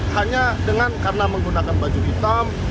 hanya dengan karena menggunakan baju hitam